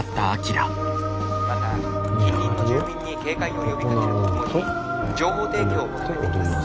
また近隣の住民に警戒を呼びかけるとともに情報提供を求めています」。